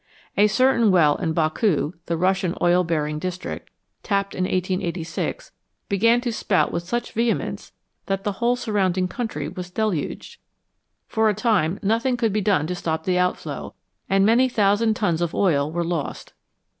A certain well in Baku the Russian oil bearing district tapped in 1886, began to spout with such vehemence that the whole surrounding country was deluged. For a time nothing could be done to stop the outflow, and many thousand tons of oil were lost.